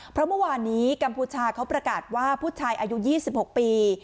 เพราะเมื่อวานนี้กัมพูชาเขาประกาศว่าผู้ชายอายุ๒๖ปี